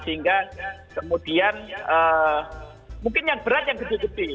sehingga kemudian mungkin yang berat yang lebih lebih